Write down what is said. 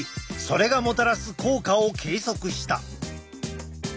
それがもたらす効果を計測した。